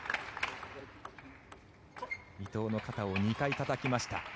伊藤の肩を２回たたきました。